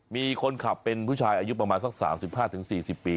มีคนขับเป็นผู้ชายอายุประมาณสัก๓๕๔๐ปี